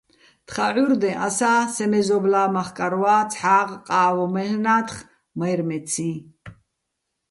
თხა ჺურდეჼ ასა́ სე მეზობლა́ მახკარვა́ ცჰ̦ა́ღ ყავ მაჲლ'ნათხ მაჲრმეციჼ.